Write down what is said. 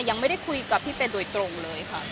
ยังไม่ได้คุยกับพี่เปย์โดยตรงเลยค่ะ